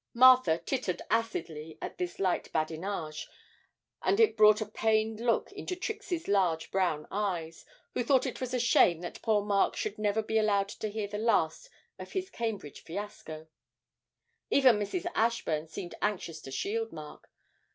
Martha tittered acidly at this light badinage, but it brought a pained look into Trixie's large brown eyes, who thought it was a shame that poor Mark should never be allowed to hear the last of his Cambridge fiasco. Even Mrs. Ashburn seemed anxious to shield Mark.